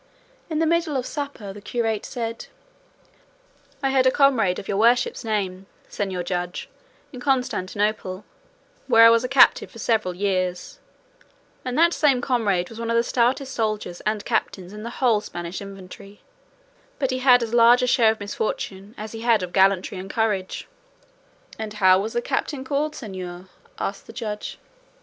In the middle of supper the curate said: "I had a comrade of your worship's name, Señor Judge, in Constantinople, where I was a captive for several years, and that same comrade was one of the stoutest soldiers and captains in the whole Spanish infantry; but he had as large a share of misfortune as he had of gallantry and courage." "And how was the captain called, señor?" asked the Judge.